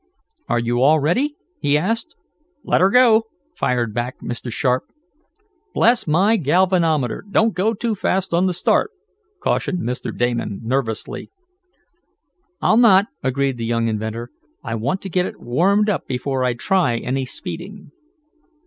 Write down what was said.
"Are you all ready?" he asked. "Let her go!" fired back Mr. Sharp. "Bless my galvanometer, don't go too fast on the start," cautioned Mr. Damon, nervously. "I'll not," agreed the young inventor. "I want to get it warmed up before I try any speeding."